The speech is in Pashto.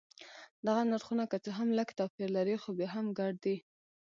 دغه نرخونه که څه هم لږ توپیر لري خو بیا هم ګډ دي.